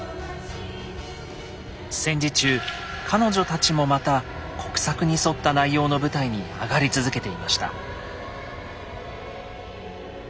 戦時中彼女たちもまた国策に沿った内容の舞台に上がり続けていました。